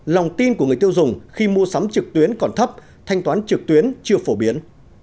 lòng tin của người tiêu dùng khi mua sắm trực tuyến còn thấp thanh toán trực tuyến chưa phổ biến